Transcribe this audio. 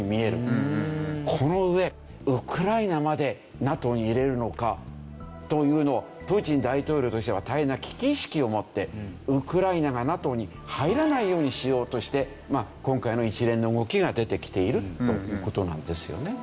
この上ウクライナまでＮＡＴＯに入れるのか？というのをプーチン大統領としては大変な危機意識を持ってウクライナがＮＡＴＯに入らないようにしようとして今回の一連の動きが出てきているという事なんですよね。